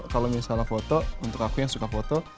kalau misalnya foto untuk aku yang suka foto